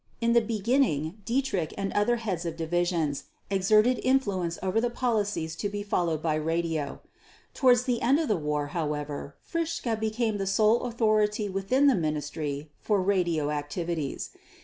In the beginning Dietrich and other heads of divisions exerted influence over the policies to be followed by radio. Towards the end of the war, however, Fritzsche became the sole authority within the Ministry for radio activities.